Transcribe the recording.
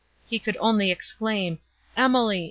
He could only exclaim, "Emily!